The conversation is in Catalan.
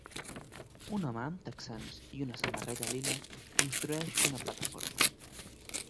Un home amb texans i una samarreta lila construeix una plataforma.